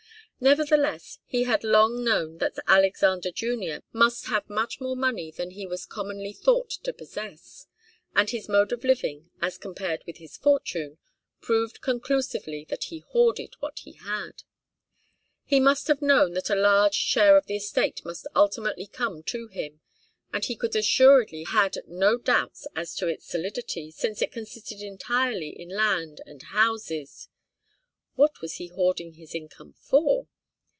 Nevertheless, he had long known that Alexander Junior must have much more money than he was commonly thought to possess, and his mode of living, as compared with his fortune, proved conclusively that he hoarded what he had. He must have known that a large share of the estate must ultimately come to him, and he could assuredly have had no doubts as to its solidity, since it consisted entirely in land and houses. What was he hoarding his income for?